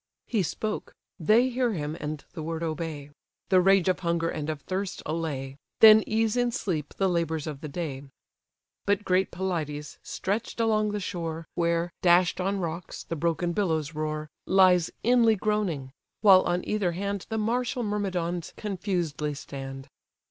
He spoke: they hear him, and the word obey; The rage of hunger and of thirst allay, Then ease in sleep the labours of the day. But great Pelides, stretch'd along the shore, Where, dash'd on rocks, the broken billows roar, Lies inly groaning; while on either hand The martial Myrmidons confusedly stand.